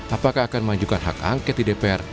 apakah akan mengajukan hak angket di dpr